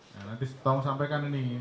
nah nanti setelah saya sampaikan ini